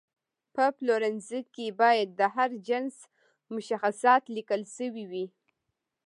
په پلورنځي کې باید د هر جنس مشخصات لیکل شوي وي.